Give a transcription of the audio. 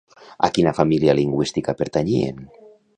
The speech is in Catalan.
A quina família lingüística pertanyien?